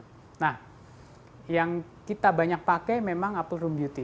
nah yang kita banyak pakai memang apple room beauty